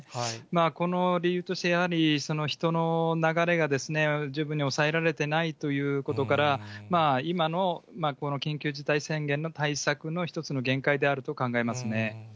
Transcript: この理由として、やはり人の流れが十分に抑えられてないということから、今のこの緊急事態宣言の対策の一つの限界であると考えますね。